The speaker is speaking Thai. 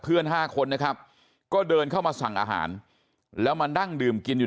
๕คนนะครับก็เดินเข้ามาสั่งอาหารแล้วมานั่งดื่มกินอยู่